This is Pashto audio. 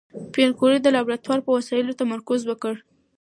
پېیر کوري د لابراتوار په وسایلو تمرکز وکړ.